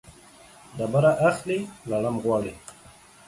ډبره اخلي ، لړم غواړي.